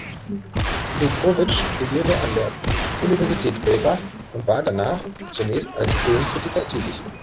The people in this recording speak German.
Petrovic studierte an der Universität Belgrad und war danach zunächst als Filmkritiker tätig.